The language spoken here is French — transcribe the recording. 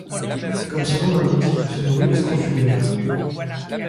Comme son nom l'indique, elle se nourrit de scrofulaires.